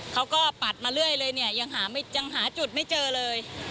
ปัดมาเรื่อยเลยเนี่ยยังหาจุดไม่เจอเลย